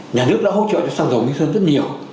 nhà nước đã hỗ trợ cho xăng dầu minh sơn rất nhiều